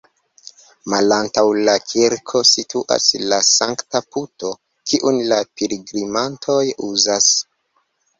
Malantaŭ la kirko situas la sankta puto, kiun la pilgrimantoj uzas.